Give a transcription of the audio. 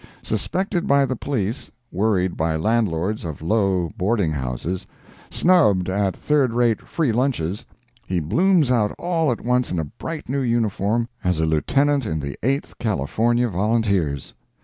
Suspected by the police, worried by landlords of low boarding houses, snubbed at third rate free lunches, he blooms out all at once in a bright, new uniform, as a lieutenant in the 8th California Volunteers.